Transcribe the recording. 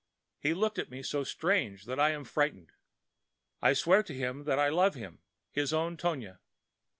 He looked at me so strange that I am frightened. I swear to him that I love him, his own Tonia.